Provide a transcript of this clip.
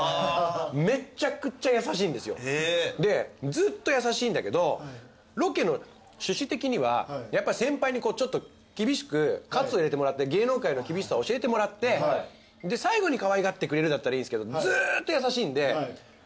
ずっと優しいんだけどロケの趣旨的にはやっぱ先輩にちょっと厳しく喝を入れてもらって芸能界の厳しさを教えてもらってで最後にかわいがってくれるだったらいいんですけど。